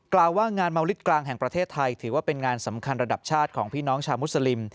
กล่าวว่างานเมาลิตกลางแห่งประเทศไทยถือว่าเป็นงานสำคัญระดับชาติของพี่น้องชาวมุสลิม